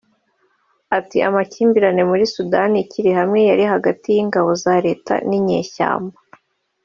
Ati “Amakimbirane muri Sudani ikiri hamwe yari hagati y’ingabo za leta n’inyeshyamba